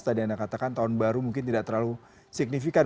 tadi anda katakan tahun baru mungkin tidak terlalu signifikan